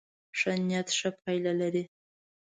ښه نيت ښه پایله لري.